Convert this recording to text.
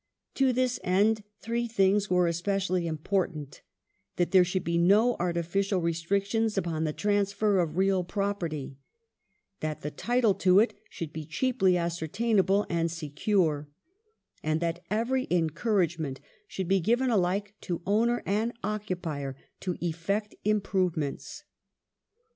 To this end three things are especially important ; that there should be no artificial restrictions upon the transfer of real property ; that the title to it should be cheaply ascertainable and secure, and that every encour agement should be given alike to owner and occupier to effect im provements.